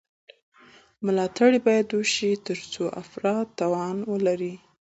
ملاتړ باید وشي ترڅو افراد توان ولري.